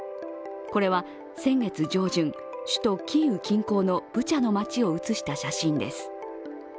これは先月上旬、首都キーウ近郊のブチャの街を写した写真です。